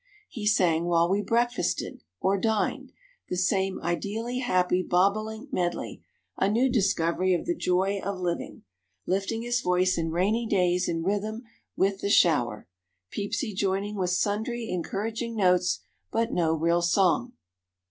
He sang while we breakfasted or dined, the same ideally happy bobolink medley, a new discovery of the joy of living, lifting his voice in rainy days in rhythm with the shower, Peepsy joining with sundry encouraging notes but no real song.